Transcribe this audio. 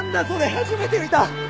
初めて見た！